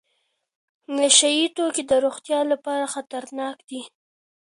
نشه یې توکي د روغتیا لپاره خطرناک دي.